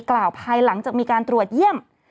กล่าวภายหลังจากมีการตรวจเยี่ยม